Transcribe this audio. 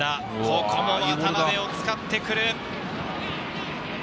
ここも渡辺を使ってくる。